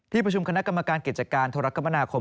ประชุมคณะกรรมการกิจการโทรคมนาคม